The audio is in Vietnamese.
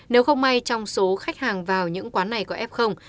nếu không may trong số khách hàng vào những quán này có ép không